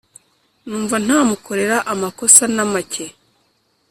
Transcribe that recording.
numva ntamukorera amakosa namake